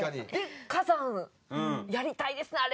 火山やりたいですねあれ。